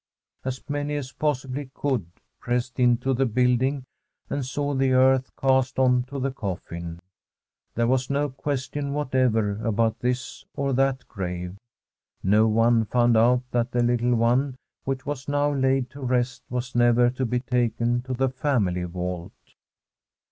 As many as possibly coUld pressed into the building and saw the earth cast on to the coffin. There was no question whatever about this or that grave. No one found out that the little one which was now laid to rest was never to be taken to the family vault.